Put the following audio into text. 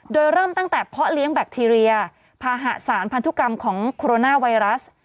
โดยเริ่มตั้งแต่เพาะเลี้ยงแบคทีเรียภาหะสารพันธุกรรมของโคโรนาไวรัส